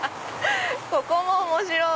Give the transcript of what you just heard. ここも面白い！